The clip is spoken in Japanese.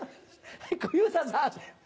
小遊三さん。